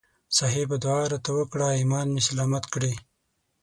صاحبه دعا راته وکړه ایمان مې سلامت کړي.